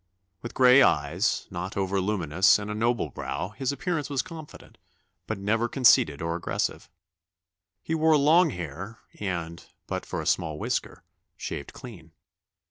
With gray eyes not over luminous and a noble brow, his appearance was confident, but never conceited or aggressive. He wore long hair, and, but for a small whisker, shaved clean.